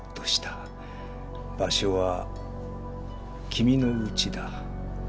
場所は君のウチだ。